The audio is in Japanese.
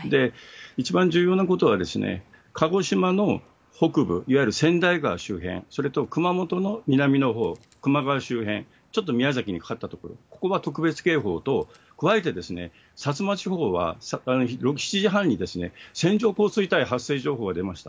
一番重要なことは、鹿児島の北部、いわゆる川内川周辺、それと熊本の南のほう、球磨川周辺、ちょっと宮崎にかかった所、ここは特別警報と、加えて薩摩地方は６、７時半に線状降水帯発生情報が出ました。